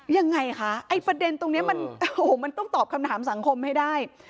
ยังไงคะประเด็นตรงนี้มันต้องตอบคำถามสังคมให้ได้